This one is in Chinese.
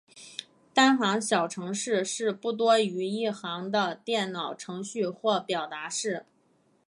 单行小程式是不多于一行的电脑程序或表达式。